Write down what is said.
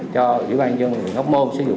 cho ủy ban nhân dân tp hcm sử dụng